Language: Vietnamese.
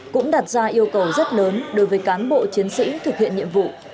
cũng đặt ra yêu cầu rất lớn đối với cán bộ chiến sĩ thực hiện nhiệm vụ